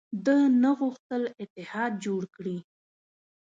ده نه غوښتل اتحاد جوړ کړي.